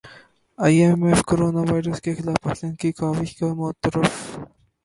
ائی M F corona virus کے خلاف پاکستان کی کاوشوں کا معترف